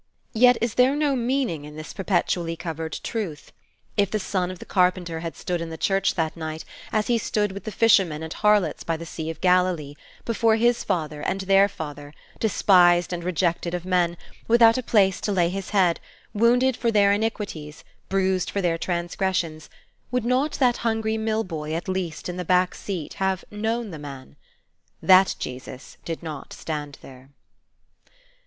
Yet, is there no meaning in this perpetually covered truth? If the son of the carpenter had stood in the church that night, as he stood with the fishermen and harlots by the sea of Galilee, before His Father and their Father, despised and rejected of men, without a place to lay His head, wounded for their iniquities, bruised for their transgressions, would not that hungry mill boy at least, in the back seat, have "known the man"? That Jesus did not stand there.